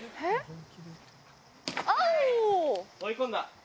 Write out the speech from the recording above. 追い込んだ！